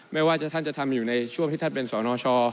ไม่ว่าท่านจะทำอยู่ในช่วงที่ท่านเป็นสนช